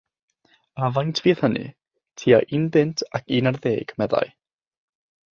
“A faint fydd hynny?” “Tua un bunt ac un ar ddeg,” meddai.